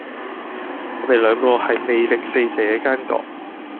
我地兩個係魅力四射既奸角